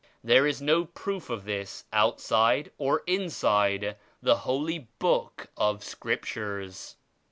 There is no proof of this outside or inside the Holy Book of Scriptures.